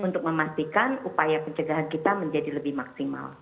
untuk memastikan upaya pencegahan kita menjadi lebih maksimal